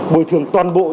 bồi thường toàn bộ